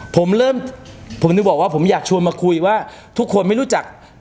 ผมเริ่มผมถึงบอกว่าผมอยากชวนมาคุยว่าทุกคนไม่รู้จัก